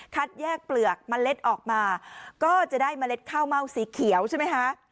แยกเปลือกเมล็ดออกมาก็จะได้เมล็ดข้าวเม่าสีเขียวใช่ไหมคะ